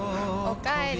おかえり。